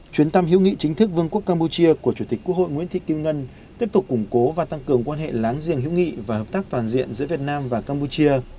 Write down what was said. chuyến thăm hữu nghị chính thức vương quốc campuchia của chủ tịch quốc hội nguyễn thị kim ngân tiếp tục củng cố và tăng cường quan hệ láng giềng hữu nghị và hợp tác toàn diện giữa việt nam và campuchia